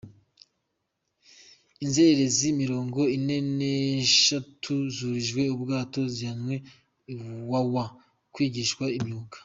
Inzererezi Mirongo Ine Neshatu zurijwe ubwato zijyanwa i Wawa kwigishwa imyuga